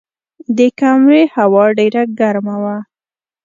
د کمرې هوا ډېره ګرمه وه.